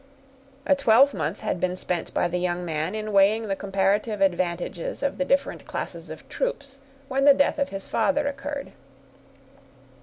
A twelvemonth had been spent by the young man in weighing the comparative advantages of the different classes of troops, when the death of his father occurred.